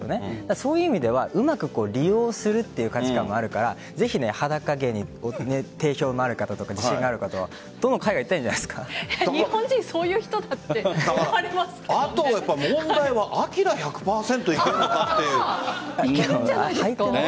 そういう意味ではうまく利用するという価値観もあるからぜひ裸芸に定評のある方とか自信のある方はどんどん海外に行ったら日本人、そういう人だってあと問題はいけるんじゃないですか。